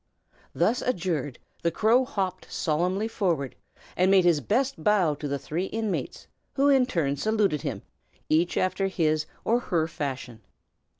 Thus adjured, the crow hopped solemnly forward, and made his best bow to the three inmates, who in turn saluted him, each after his or her fashion.